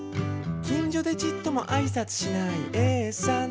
「きんじょでちっともあいさつしないＡさんと」